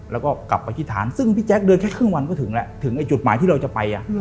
แล้วก็กลับไปที่ฐานซึ่งพี่แจ๊คเดินแค่ครึ่งวันก็ถึงแล้วถึงไอ้จุดหมายที่เราจะไป